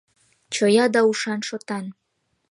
Чоя да ушан-шотан.